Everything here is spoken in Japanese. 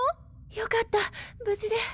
よかった無事で。